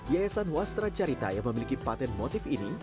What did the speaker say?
yayasan wasteracarita yang memiliki patent motif ini